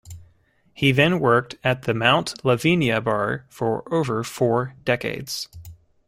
He then worked at the Mount Lavinia bar for over four decades.